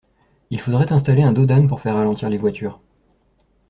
Il faudrait installer un dos d'âne pour faire ralentir les voitures.